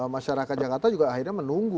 masyarakat jakarta juga akhirnya menunggu